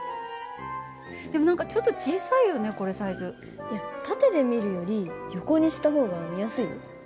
でも何かちょっと小さいよねこれサイズ。いや縦で見るより横にした方が見やすいよ。